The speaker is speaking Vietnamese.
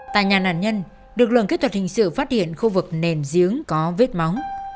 tại nhà nạn nhân lực lượng kỹ thuật hình sự phát hiện khu vực nền giếng có vết máu